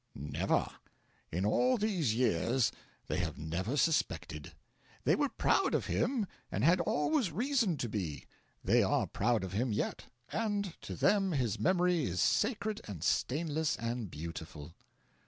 'Never. In all these years they have never suspected. They were proud of him and had always reason to be; they are proud of him yet, and to them his memory is sacred and stainless and beautiful.'